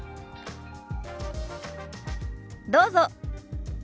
どうぞ。